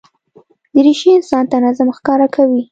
دریشي انسان ته نظم ښکاره کوي.